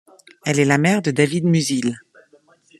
Elle est la mère de David Musil.